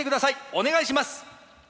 お願いします！